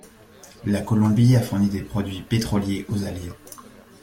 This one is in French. La Colombie a fourni des produits pétroliers aux Alliés.